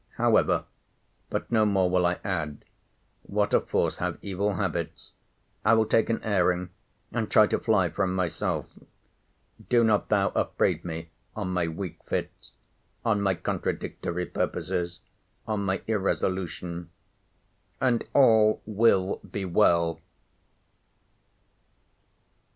However—But no more will I add—What a force have evil habits!—I will take an airing, and try to fly from myself!—Do not thou upbraid me on my weak fits—on my contradictory purposes—on my irresolution—and all will be well.